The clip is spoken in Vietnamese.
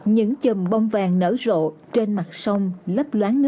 những chùm bông vàng nở rộ trên mặt sông